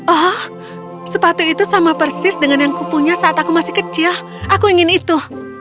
oh sepatu itu sama persis dengan yang kupunya saat aku masih kecil aku ingin itu